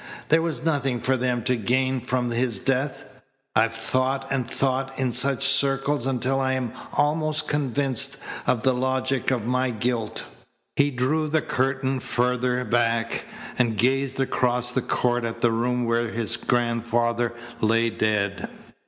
There was nothing for them to gain from his death. I've thought and thought in such circles until I am almost convinced of the logic of my guilt." He drew the curtain farther back and gazed across the court at the room where his grandfather lay dead.